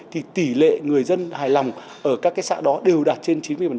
thì tỷ lệ người dân hài lòng ở các xã đó đều đạt trên chín mươi